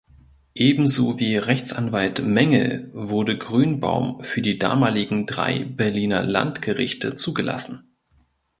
Ebenso wie Rechtsanwalt Mengel wurde Grünbaum für die damaligen drei Berliner Landgerichte zugelassen.